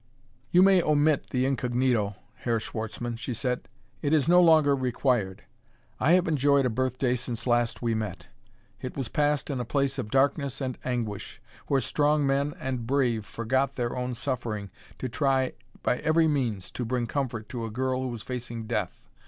"You may omit the incognito, Herr Schwartzmann," she said; "it is no longer required. I have enjoyed a birthday since last we met: it was passed in a place of darkness and anguish, where strong men and brave forgot their own suffering to try by every means to bring comfort to a girl who was facing death.